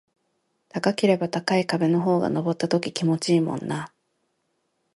高ければ高い壁の方が登った時気持ちいいもんな